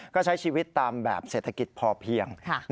ก็ใช้ชีวิตตามแบบเศรษฐกิจพอเพียง